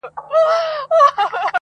o شاعر نه یم زما احساس شاعرانه دی,